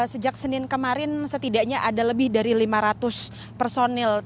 sejak senin kemarin setidaknya ada lebih dari lima ratus personil